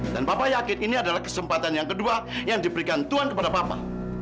dan papa yakin ini adalah kesempatan yang kedua yang diberikan tuhan kepada papa